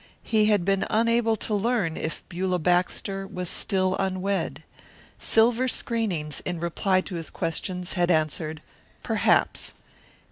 He had been unable to learn if Beulah Baxter was still unwed. Silver Screenings, in reply to his question, had answered, "Perhaps."